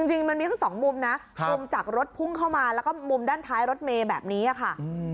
จริงมันมีแค่สองมุมนะมุมจากรถพุ่งเข้ามาแล้วก็มุมด้านท้ายรถเมย์แบบนี้ค่ะ